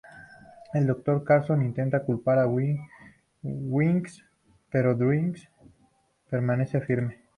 El Dr. Carson intenta culpar a Dwight, pero Dwight permanece firme.